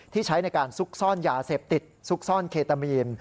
ใช้ในการซุกซ่อนยาเสพติดซุกซ่อนเคตามีน